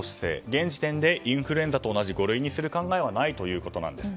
現時点でインフルエンザと同じ五類にする考えはないということなんです。